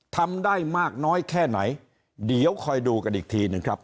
ทำได้มากน้อยแค่ไหนเดี๋ยวคอยดูกันอีกทีหนึ่งครับ